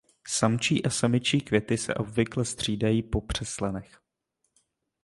Samčí a samičí květy se obvykle střídají po přeslenech.